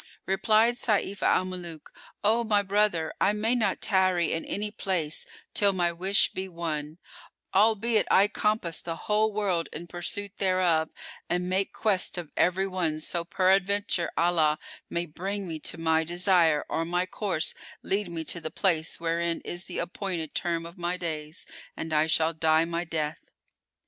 Replied Sayf al Muluk, "O my brother I may not tarry in any place till my wish be won, albeit I compass the whole world in pursuit thereof and make quest of every one so peradventure Allah may bring me to my desire or my course lead me to the place wherein is the appointed term of my days, and I shall die my death."